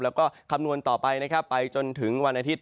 แล้วก็คำนวณต่อไปนะครับไปจนถึงวันอาทิตย